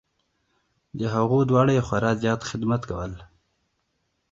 د هغو دواړو یې خورا زیات خدمت کول .